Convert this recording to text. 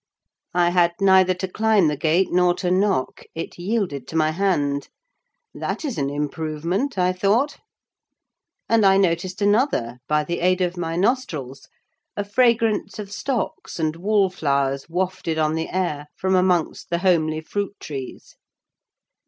I had neither to climb the gate nor to knock—it yielded to my hand. That is an improvement, I thought. And I noticed another, by the aid of my nostrils; a fragrance of stocks and wallflowers wafted on the air from amongst the homely fruit trees.